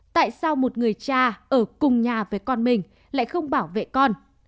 tại sao một người cha ở cùng nhà với con mình lại không bảo vệ con